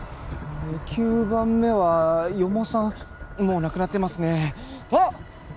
９番目は四方さんもう亡くなってますねあっ！